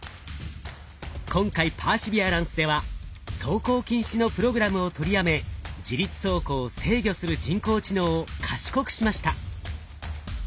今回パーシビアランスでは走行禁止のプログラムを取りやめ自律走行を制御する人工知能を賢くしました。